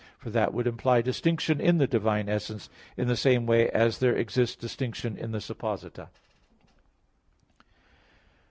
For that would imply distinction in the divine essence, in the same way as there exists distinction in the _supposita.